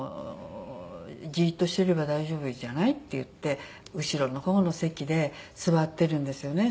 「じーっとしていれば大丈夫じゃない？」って言って後ろの方の席で座ってるんですよね。